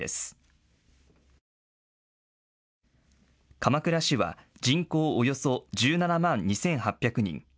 鎌倉市は人口およそ１７万２８００人。